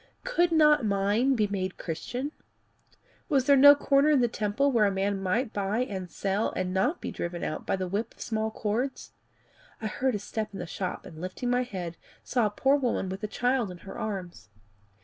Could not mine be made Christian? Was there no corner in the temple where a man might buy and sell and not be driven out by the whip of small cords? I heard a step in the shop, and lifting my head, saw a poor woman with a child in her arms.